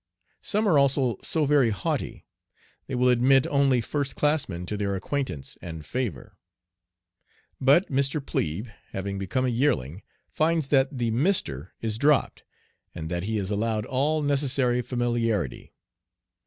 Some are also so very haughty: they will admit only first classmen to their acquaintance and favor. But Mr. Plebe, having become a yearling finds that the "Mr." is dropped, and that he is allowed all necessary familiarity.